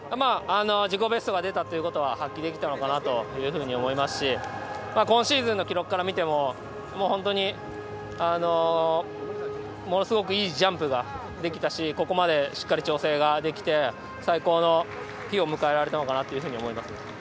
自己ベストが出たということは発揮できたのかなと思いますし今シーズンの記録から見ても本当にものすごくいいジャンプができたしここまでしっかり調整ができて最高の日を迎えられたのかなと思います。